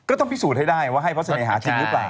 ต้องพิสูจน์ให้ได้ว่าให้พระเสน่หาจริงหรือเปล่า